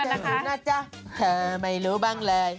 เธอรู้นะจ๊ะเธอไม่รู้บ้างเลย